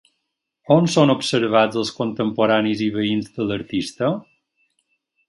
On són observats els contemporanis i veïns de l'artista?